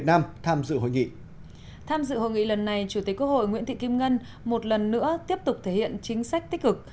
tham dự hội nghị lần này chủ tịch quốc hội nguyễn thị kim ngân một lần nữa tiếp tục thể hiện chính sách tích cực